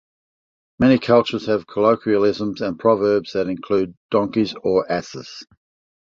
Many cultures have colloquialisms and proverbs that include donkeys or asses.